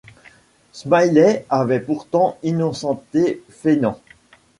Smiley avait pourtant innocenté Fennan.